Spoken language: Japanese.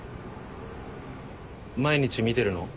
毎日見てるの？